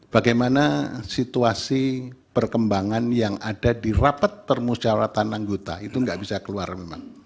bagaimana situasi perkembangan yang ada di rapat permusyawaratan anggota itu nggak bisa keluar memang